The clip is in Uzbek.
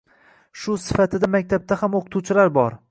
Shu sifatida maktabda ham o‘qituvchilar bor.